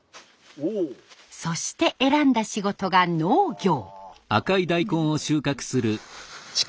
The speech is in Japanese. そして選んだ仕事が農業。